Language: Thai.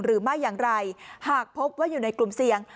หรือไม่อย่างไรหากพบว่าอยู่ในกลุ่มเสี่ยง